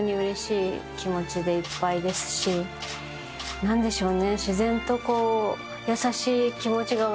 何でしょうね。